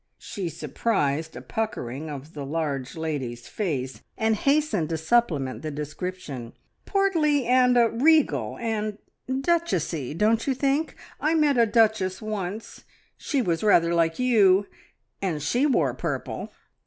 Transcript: She surprised a puckering of the large lady's face, and hastened to supplement the description. "Portly, and er regal, and duchessy, don't you think? I met a duchess once she was rather like you and she wore purple!"